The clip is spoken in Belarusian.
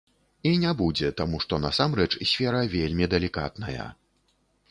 І не будзе, таму што, насамрэч, сфера вельмі далікатная.